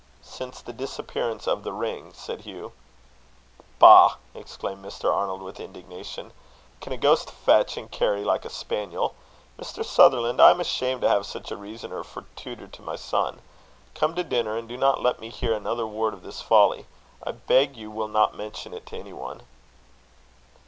"Since the disappearance of the ring," said Hugh. "Bah!" exclaimed Mr. Arnold, with indignation. "Can a ghost fetch and carry like a spaniel? Mr. Sutherland, I am ashamed to have such a reasoner for tutor to my son. Come to dinner, and do not let me hear another word of this folly. I beg you will not mention it to any one."